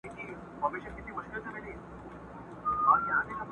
ما یي سرونه تر عزت جارول!!